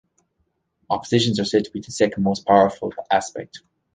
Oppositions are said to be the second most powerful aspect.